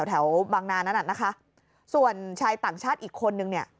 แถวบางนานั้นอ่ะนะคะส่วนชายต่างชาติอีกคนนึงเนี่ย